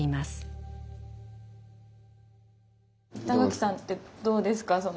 板垣さんってどうですか？